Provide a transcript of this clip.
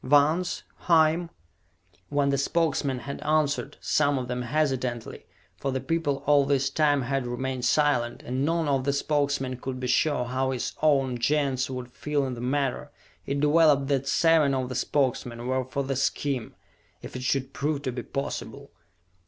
Vance? Hime?" When the Spokesmen had answered, some of them hesitantly, for the people all this time had remained silent and none of the Spokesmen could be sure how his own Gens would feel in the matter it developed that seven of the Spokesmen were for the scheme, if it should prove to be possible.